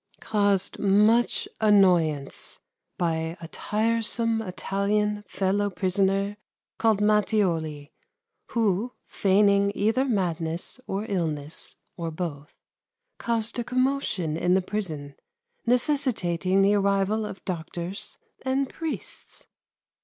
Caused much annoyance by a tiresome Italian fellow prisoner called Mattioli, who, feigning either madness or illness, or both, caused a commotion in the prison, necessitating the arrival of doctors and priests.